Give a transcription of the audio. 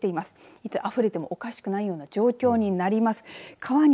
いつあふれてもおかしくないような状況になります。